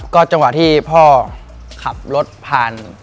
ก็จังหวะที่พ่อขับรถผ่าน